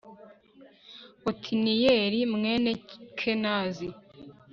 otiniyeli mwene kenazi